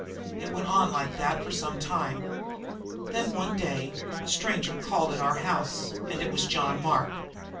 It went on like that for some time. Then, one day, a stranger called at our house, and it was John Mark.